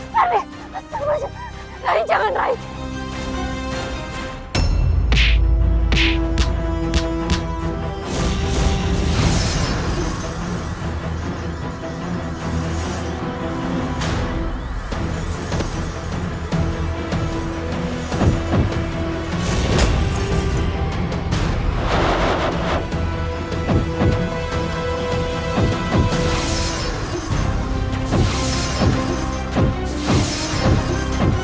dia merasa ketat kurang